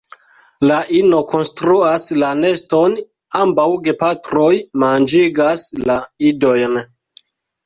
La ino konstruas la neston; ambaŭ gepatroj manĝigas la idojn.